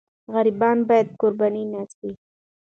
غریبان باید قرباني نه سي.